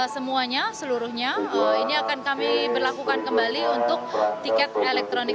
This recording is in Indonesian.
semuanya seluruhnya ini akan kami berlakukan kembali untuk tiket elektronik